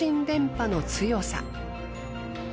電波の強さ。